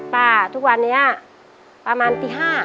ทุกวันนี้ประมาณตี๕